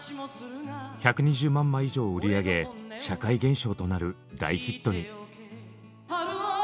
１２０万枚以上を売り上げ社会現象となる大ヒットに。